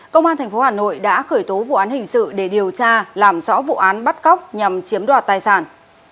công an tp hà nội đã khởi tố vụ án hình sự để điều tra làm rõ vụ án bắt cóc nhằm chiếm đoạt tài sản